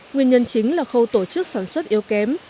nguyên nhân chính là khâu tổ chức sản xuất yếu kém